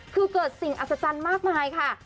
คือเกิดสิ่งอัศจรรย์มากมายค่ะ